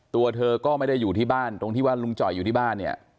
ตัวเธอก็ไม่ได้อยู่ที่บ้านตรงที่ว่าลุงจ่อยอยู่ที่บ้านเนี่ย